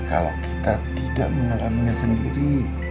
kalau kita tidak mengalaminya sendiri